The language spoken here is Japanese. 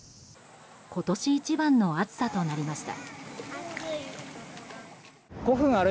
今年一番の暑さとなりました。